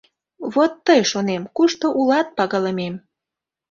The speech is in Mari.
«Вот тый, — шонем, — кушто улат, пагалымем!